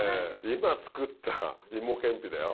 今作った芋けんぴだよ。